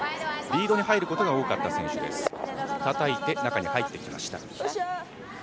リードに入ることが多かった選手です。